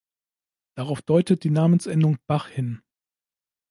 Darauf deutet die Namensendung -bach hin.